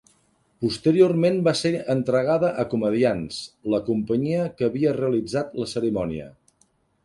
Posteriorment va ser entregada a Comediants, la companyia que havia realitzat la cerimònia.